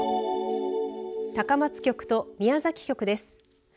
高松局と宮崎局です。